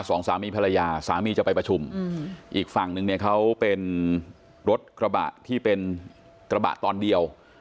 สองสามีภรรยาสามีจะไปประชุมอีกฝั่งนึงเนี่ยเขาเป็นรถกระบะที่เป็นกระบะตอนเดียว